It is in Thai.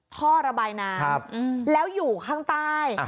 ท่อระบายน้ำแล้วอยู่ข้างใต้